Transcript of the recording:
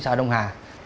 sao đông hà